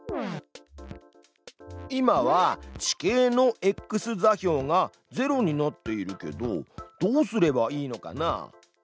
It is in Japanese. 今は地形のｘ座標が０になっているけどどうすればいいのかな？